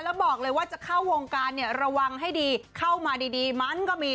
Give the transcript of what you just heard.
แล้วบอกเลยว่าจะเข้าวงการเนี่ยระวังให้ดีเข้ามาดีมันก็มี